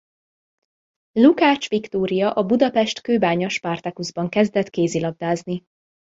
Lukács Viktória a Budapest Kőbánya Spartacusban kezdett kézilabdázni.